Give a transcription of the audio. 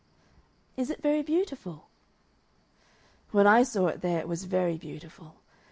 "Is it very beautiful?" "When I saw it there it was very beautiful.